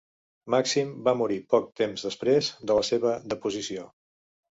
Màxim va morir poc temps després de la seva deposició.